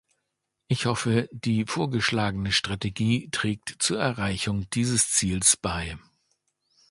Ich hoffe, die vorgeschlagene Strategie trägt zur Erreichung dieses Zieles bei.